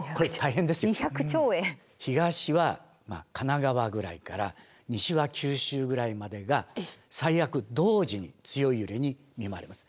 東は神奈川ぐらいから西は九州ぐらいまでが最悪同時に強い揺れに見舞われます。